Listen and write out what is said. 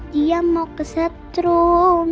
dia mau kesetrum